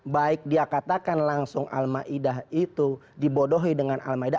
baik dia katakan langsung al ma'idah itu dibodohi dengan al ma'idah